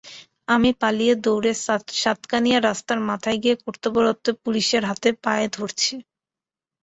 আমি পালিয়ে দৌড়ে সাতকানিয়া রাস্তার মাথায় গিয়ে কর্তব্যরত পুলিশের হাতে-পায়ে ধরেছি।